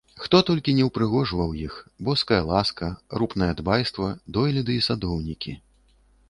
Хто толькі не ўпрыгожваў іх — Боская ласка, рупнае дбайства, дойліды і садоўнікі.